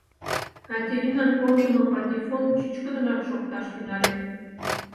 Катеринан кондымо патефон чӱчкыдынак шокташ тӱҥале.